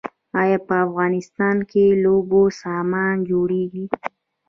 آیا په افغانستان کې د لوبو سامان جوړیږي؟